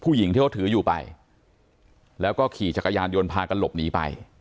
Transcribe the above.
ผู้หญิงที่เขาถืออยู่ไปแล้วก็ขี่จักรยานยนต์พากันหลบหนีไป